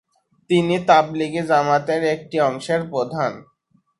তিনি তাবলিগী জামাতের একটি অংশের প্রধান।